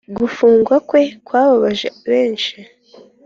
gufungwa kwe kwababaje benshi